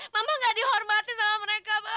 mama gak dihormati sama mereka